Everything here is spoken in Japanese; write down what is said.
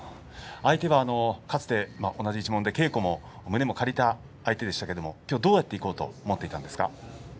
相手はかつて同じ一門で稽古で胸を借りた相手でしたが、どうやっていこうと思ったんですか？